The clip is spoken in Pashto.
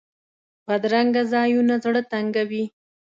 بدرنګه ځایونه زړه تنګوي